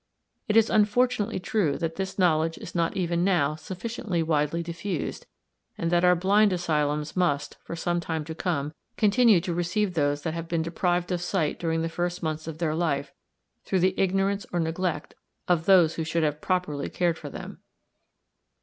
It is unfortunately true that this knowledge is not even now sufficiently widely diffused, and that our blind asylums must, for some time to come, continue to receive those that have been deprived of sight during the first months of their life through the ignorance or neglect of those who should have properly cared for them.